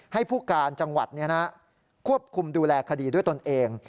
ให้ผู้การจังหวัดควบคุมดูแลคดีด้วยตนเอง